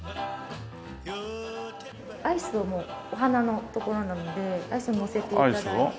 アイスをもうお鼻のところなのでアイスをのせて頂いて。